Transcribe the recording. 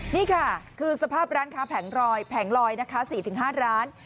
นี่ค่ะคือสภาพร้านค้าแผงลอยแผงลอยนะคะ๔๕ร้าน